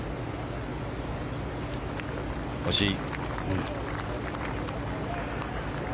惜しい。